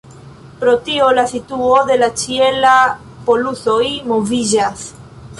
Pro tio la situo de la ĉielaj polusoj moviĝas.